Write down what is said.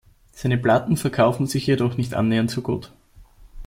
Seine Platten verkauften sich jedoch nicht annähernd so gut.